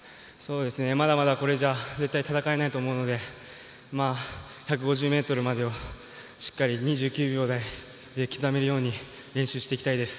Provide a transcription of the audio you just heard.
まだまだこれじゃ絶対戦えないと思うので１５０ｍまでしっかり２９秒台で刻めるように練習していきたいです。